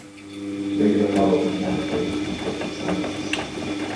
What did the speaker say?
Regular follow-up is mandatory, to detect restenosis.